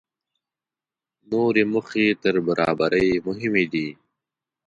نورې موخې تر برابرۍ مهمې دي.